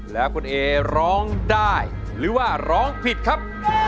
แล้วคุณเอร้องได้หรือว่าร้องผิดครับ